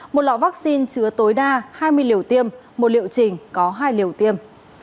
một lọ vaccine chứa tối đa hai mươi liều tiêm một liệu trình có hai liều tiêm